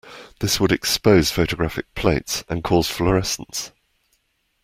This would expose photographic plates and cause fluorescence.